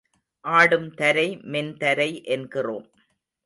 ஆடும் தரை மென் தரை என்கிறோம்.